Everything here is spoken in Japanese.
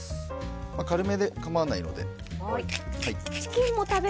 軽めで構わないので。